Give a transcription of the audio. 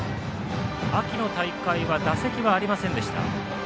秋の大会は打席はありませんでした。